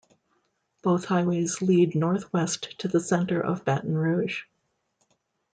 Both highways lead northwest to the center of Baton Rouge.